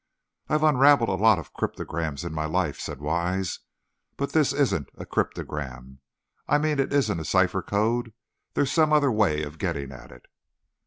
"I've unraveled a lot of cryptograms in my time," said Wise, "but this isn't a cryptogram. I mean it isn't in cipher code, there's some other way of getting at it."